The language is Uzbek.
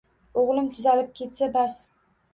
O`g`lim tuzalib ketsa, bas